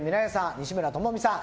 西村知美さん